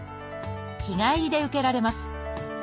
日帰りで受けられます。